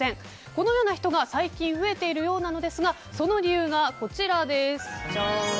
このような人が最近増えているようなのですがその理由がこちらです。